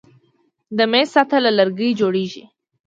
د میز سطحه له لرګي جوړیږي.